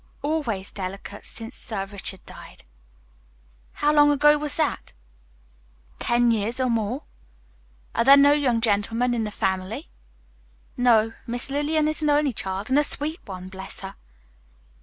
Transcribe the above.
"Always delicate since Sir Richard died." "How long ago was that?" "Ten years or more." "Are there no young gentlemen in the family?" "No, Miss Lillian is an only child, and a sweet one, bless her!"